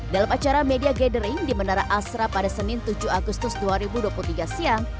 dalam acara media gathering di menara asra pada senin tujuh agustus dua ribu dua puluh tiga siang